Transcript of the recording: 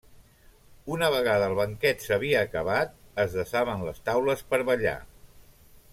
Una vegada el banquet s'havia acabat, es desaven les taules per ballar.